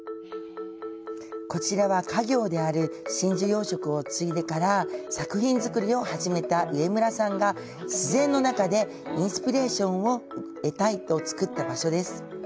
こちらは、家業である真珠養殖を継いでから作品作りを始めた上村さんが「自然の中でインスピレーションを得たい」とつくった場所。